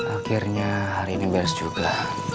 akhirnya hari ini beres juga